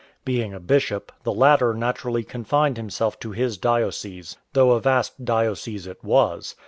Being a bishop, the latter naturally confined himself to his diocese ; though a vast diocese it was.